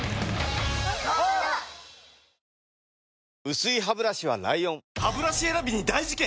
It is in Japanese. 薄いハブラシは ＬＩＯＮハブラシ選びに大事件！